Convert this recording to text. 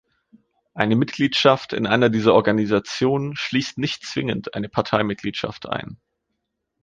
Eine Mitgliedschaft in einer dieser Organisationen schließt nicht zwingend eine Parteimitgliedschaft ein.